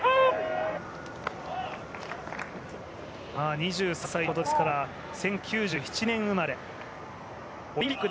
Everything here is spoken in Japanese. ２３歳ということですから１９９７年生まれ。